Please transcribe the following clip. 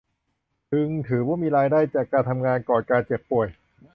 จึงถือว่ามีรายได้จากการทำงานก่อนการเจ็บป่วย